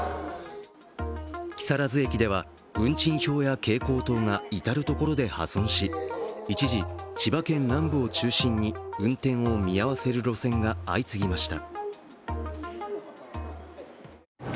木更津駅では運賃表や蛍光灯が至る所で破損し一時、千葉県南部を中心に運転を見合わせる路線が相次ぎました。